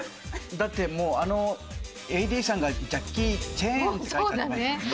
だってもうあのＡＤさんが「ジャッキー・チェーン」って書いちゃってますもんね。